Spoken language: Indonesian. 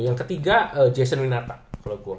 yang ketiga jason winata kalau gue